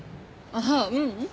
あっううん。